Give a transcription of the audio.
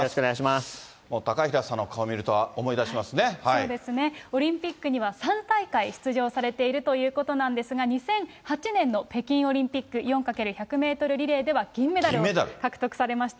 高平さんの顔見ると、思い出そうですね、オリンピックには３大会出場されているということなんですが、２００８年の北京オリンピック４×１００メートルリレーでは銀メダルを獲得されました。